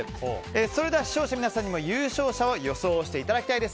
それでは視聴者の皆さんに優勝者を予想していただきたいです。